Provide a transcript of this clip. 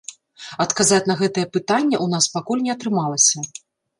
Адказаць на гэтае пытанне ў нас пакуль не атрымалася.